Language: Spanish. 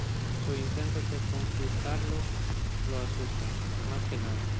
Su intento de conquistarlo, lo asusta, más que nada.